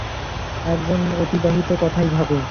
এক জন অবিবাহিত যুবতী এক জন সুপুরুষ যুবকের কথাই ভাবে।